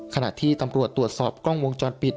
ขณะที่ตำรวจตรวจสอบกล้องวงจรปิด